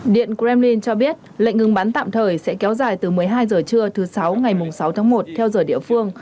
điện kremlin cho biết lệnh ngừng bắn tạm thời sẽ kéo dài từ một mươi hai h trưa thứ sáu ngày sáu tháng một theo giờ địa phương